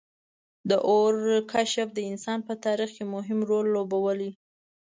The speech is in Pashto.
• د اور کشف د انسان په تاریخ کې مهم رول لوبولی.